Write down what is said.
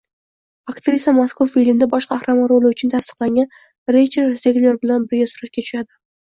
Aktrisa mazkur filmda bosh qahramon roli uchun tasdiqlangan Reychel Zegler bilan birga suratga tushadi